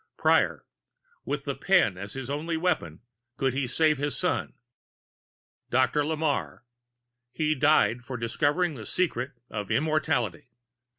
PRIOR With the pen as his only weapon, could he save his son? DR. LAMARRE He died for discovering the secret of immortality.